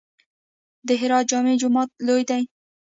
د هرات جامع جومات لوی دی